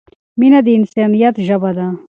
مینه د انسانیت ژبه ده.